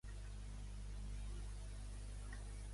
Josep Bou havia estat militant d'un partit demòcrata